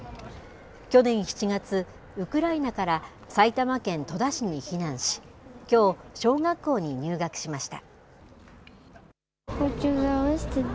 去年７月、ウクライナから埼玉県戸田市に避難し、きょう、小学校に入学しました。